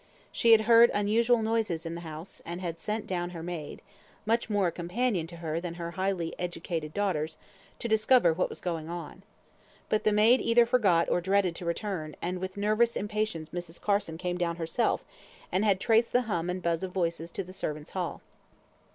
She had heard unusual noises in the house, and had sent down her maid (much more a companion to her than her highly educated daughters) to discover what was going on. But the maid either forgot, or dreaded, to return; and with nervous impatience Mrs. Carson came down herself, and had traced the hum and buzz of voices to the servants' hall.